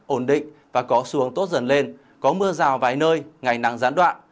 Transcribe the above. ổn định và có xuống tốt dần lên có mưa rào vài nơi ngày nắng gián đoạn